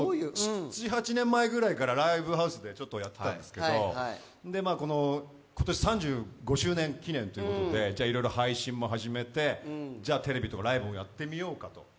７８年前ぐらいからライブハウスでちょっとやってたんですけど今年３５周年記念ということでいろいろ配信も始めてじゃあ、テレビとかライブもやってみようかと。